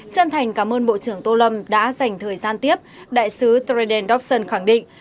chân thành cảm ơn bộ trưởng tô lâm đã dành thời gian tiếp đại sứ treden dobson khẳng định